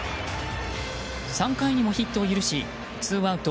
３回にもヒットを許しツーアウト